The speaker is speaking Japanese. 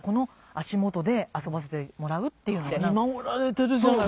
見守られてるじゃない。